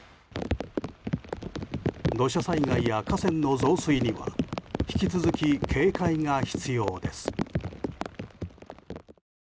土砂災害や河川の増水には引き続き警戒が必要です。